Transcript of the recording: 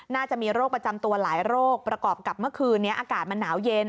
น่าจะมีโรคประจำตัวหลายโรคประกอบกับเมื่อคืนนี้อากาศมันหนาวเย็น